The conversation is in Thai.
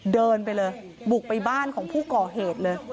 เดินไปเลยบุกไปบ้านของผู้ก่อเหตุเลย